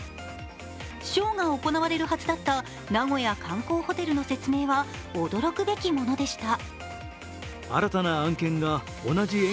ショーが行われるはずだった名古屋観光ホテルの説明は驚くべきものでした。